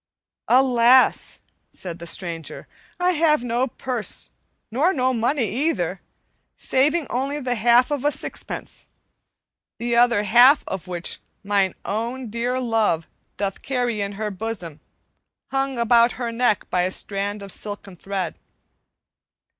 "Alas!" said the stranger, "I have no purse nor no money either, saving only the half of a sixpence, the other half of which mine own dear love doth carry in her bosom, hung about her neck by a strand of silken thread."